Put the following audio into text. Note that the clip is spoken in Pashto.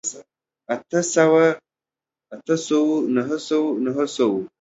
اته سوو، اتو سوو، نهه سوو، نهو سوو